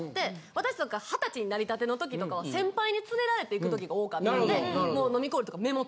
私とか二十歳になりたての時とかは先輩に連れられて行く時が多かったんでもう。